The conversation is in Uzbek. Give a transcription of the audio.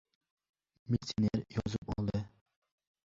Militsioner yozib oldi.